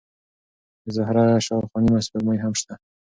د زهره شاوخوا نیمه سپوږمۍ هم شته.